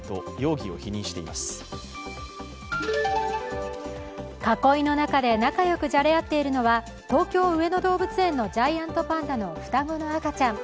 囲いの中で仲良くじゃれ合っているのは東京・上野動物園のジャイアントパンダの双子の赤ちゃん。